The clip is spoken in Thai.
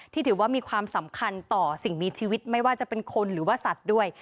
ถือว่ามีความสำคัญต่อสิ่งมีชีวิตไม่ว่าจะเป็นคนหรือว่าสัตว์ด้วย